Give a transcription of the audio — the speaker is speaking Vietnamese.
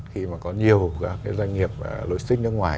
khi mà có nhiều cái doanh nghiệp lôi stick nước ngoài